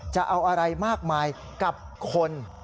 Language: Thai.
จะเอาอะไรมากมายกับคน